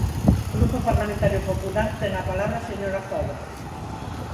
Grupo Parlamentario Popular, ten a palabra a señora Zobra.